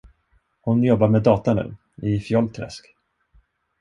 Hon jobbar med data nu, i Fjollträsk.